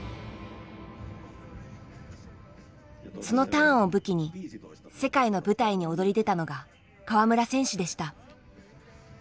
そのターンを武器に世界の舞台に躍り出たのが川村選手でした。